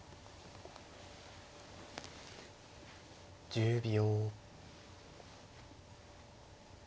１０秒。